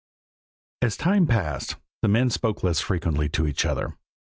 As time passed the men spoke less frequently to each other.